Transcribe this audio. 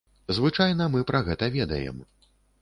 Звычайна мы пра гэта ведаем.